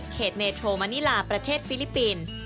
เมโทมณิลาประเทศฟิลิปปินส์